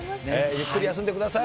ゆっくり休んでください。